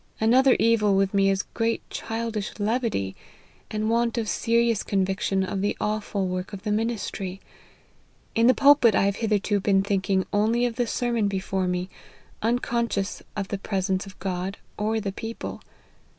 Another evil with me is great childish levity, and want of serious conviction of the awful work of the ministry. In the pulpit I have hitherto been think ing only of the sermon before me, unconscious of the presence of God or the people.